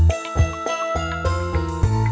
buku yang lo yv cait até